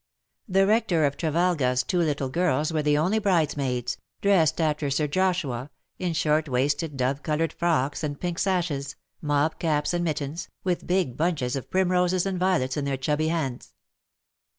The Rector of Trevalga's two little girls were the only bridesmaids — dressed after Sir Joshua, in short waisted dove coloured frocks and pink sashes, mob caps and mittens, with big bunches of primroses and violets in their chubby hands.